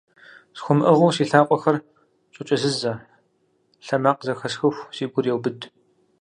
СхуэмыӀыгъыу си лъакъуэхэр щӀокӀэзызэ, лъэмакъ зэхэсхыху, си гур еубыд.